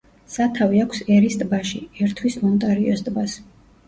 სათავე აქვს ერის ტბაში, ერთვის ონტარიოს ტბას.